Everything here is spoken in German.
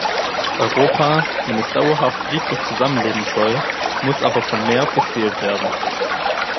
Europa, wenn es dauerhaft friedlich zusammenleben soll, muss aber von mehr beseelt werden.